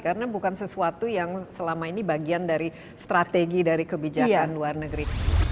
karena bukan sesuatu yang selama ini bagian dari strategi dari kebijakan luar negeri